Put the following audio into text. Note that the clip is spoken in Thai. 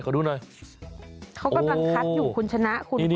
เขาก็บังคัดอยู่คุณชนะคุณพ่อ